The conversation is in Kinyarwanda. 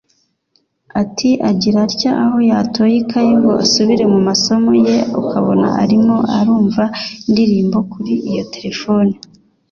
Ati “Agira atya aho yatoye ikaye ngo asubire mu masomo ye ukabona arimo arumva indirimbo kuri iyo telefone